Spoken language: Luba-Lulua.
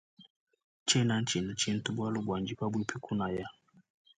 Tshena tshina tshintu bualu bua ndi pabuipi kunaya.